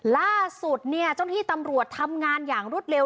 ล่าสุดเนี่ยเจ้าหน้าที่ตำรวจทำงานอย่างรวดเร็ว